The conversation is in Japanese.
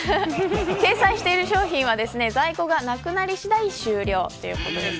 掲載している商品は、在庫がなくなり次第、終了です。